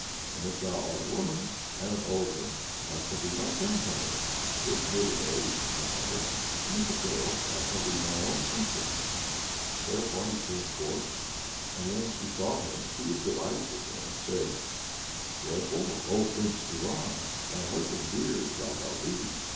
And if thou art a woman, and an old one, thou shalt be my grandmother; if middle aged, my mother; and if a girl, thou shalt be my own sister." Thereupon he came forth. And when she saw him, she was delighted with him, and said: "Wherefore, O Prince Ivan my husband dear shalt thou be!